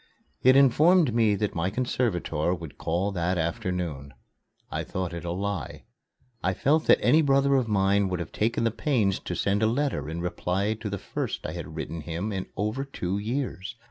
It informed me that my conservator would call that afternoon. I thought it a lie. I felt that any brother of mine would have taken the pains to send a letter in reply to the first I had written him in over two years.